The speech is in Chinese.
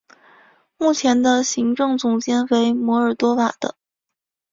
目前的行政总监为摩尔多瓦的。